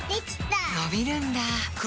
のびるんだ